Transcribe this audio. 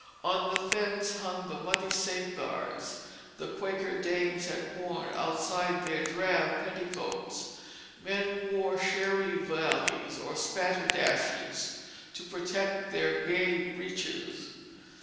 On the fence hung the muddy safeguards the Quaker dames had worn outside their drab petticoats. Men wore sherry vallies or spatter dashes to protect their gay breeches.